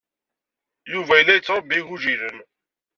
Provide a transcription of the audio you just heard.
Yuba yella yettṛebbi igujilen.